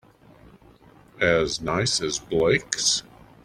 As nice as Blake's?